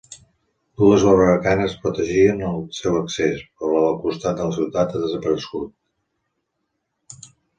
Dues barbacanes protegien el seu accés, però la del costat de la ciutat ha desaparegut.